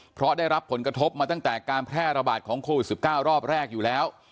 เพราะได้รับผลกระทบมาตั้งแต่การแพร่ระบาดของโควิด๑๙รอบแรกอยู่แล้ว